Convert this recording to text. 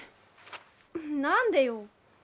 何でよ。